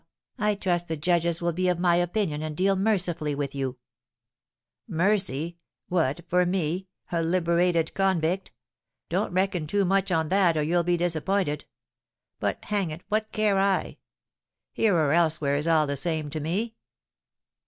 Well, I trust the judges will be of my opinion and deal mercifully with you." "Mercy! What, for me, a liberated convict? Don't reckon too much on that or you'll be disappointed. But, hang it, what care I? Here or elsewhere is all the same to me!